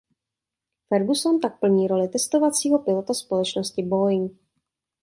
Ferguson tak plní roli testovacího pilota společnosti Boeing.